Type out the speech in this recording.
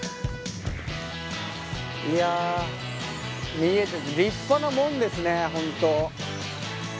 いやぁ見えてきた立派な門ですね本当。